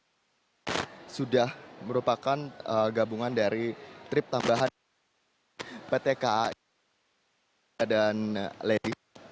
tapi sudah merupakan gabungan dari trip tambahan pt ka dan ledi